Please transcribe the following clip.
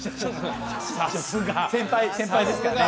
さすが先輩先輩ですからね